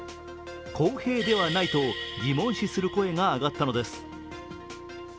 公平ではないと疑問視する声が上がったのです。